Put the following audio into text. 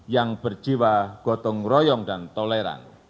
yang berjiwa gotong royong dan toleran